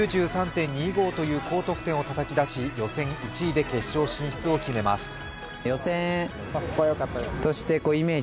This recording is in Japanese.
９３．２５という高得点をたたき出し、予選１位で決勝進出を決めます。